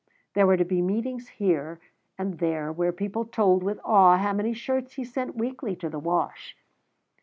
There were to be meetings here and there where people told with awe how many shirts he sent weekly to the wash.